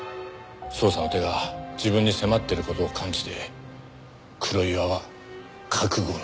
捜査の手が自分に迫っている事を感じて黒岩は覚悟の自殺。